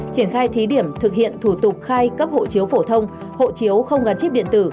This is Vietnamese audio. triển khai thí điểm thực hiện thủ tục khai cấp hộ chiếu phổ thông hộ chiếu không gắn chip điện tử